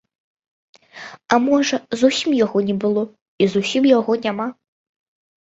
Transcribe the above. А можа, зусім яго не было, і зусім яго няма.